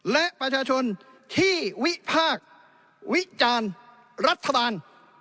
และประชาชนที่วิพากษ์วิจารณ์รัฐบาล